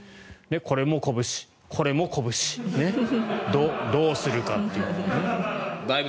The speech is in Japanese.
これもこぶし、これもこぶしどうするかという。